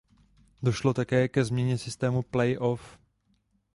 Došlo také ke změně systému play off.